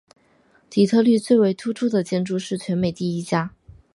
底特律最为突出的建筑是全美第一家。